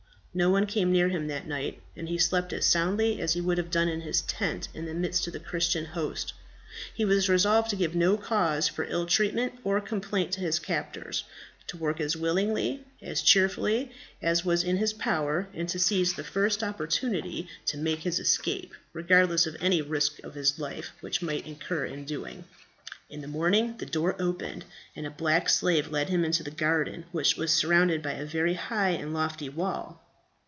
No one came near him that night, and he slept as soundly as he would have done in his tent in the midst of the Christian host. He was resolved to give no cause for ill treatment or complaint to his captors, to work as willingly, as cheerfully, as was in his power, and to seize the first opportunity to make his escape, regardless of any risk of his life which he might incur in doing so. In the morning the door opened, and a black slave led him into the garden, which was surrounded by a very high and lofty wall.